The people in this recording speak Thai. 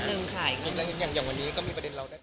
อืมต